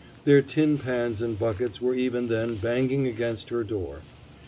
Their tin pans and buckets were even then banging against her door.